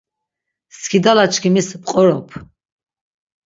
Skidalaçkimis p̌qorop.